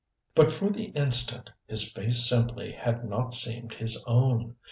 But for the instant his face simply had not seemed his own.